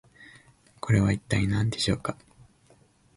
これは一体何でしょうか？